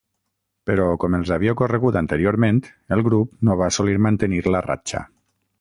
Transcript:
Però, com els havia ocorregut anteriorment, el grup no va assolir mantenir la ratxa.